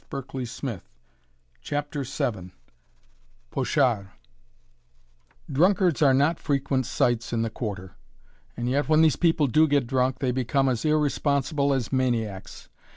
[Illustration: (woman)] CHAPTER VII "POCHARD" Drunkards are not frequent sights in the Quarter; and yet when these people do get drunk, they become as irresponsible as maniacs.